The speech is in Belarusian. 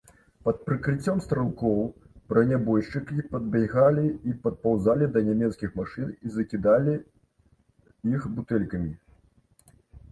Пад прыкрыццем стралкоў бранябойшчыкі падбягалі і падпаўзалі да нямецкіх машын і закідалі іх бутэлькамі.